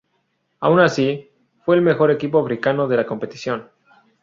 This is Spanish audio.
Aun así, fue el mejor equipo africano de la competición.